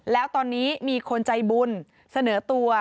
แล้วตอนนี้มีคนใจบุญเสนอตัว